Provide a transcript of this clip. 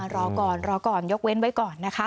รอก่อนยกเว้นไว้ก่อน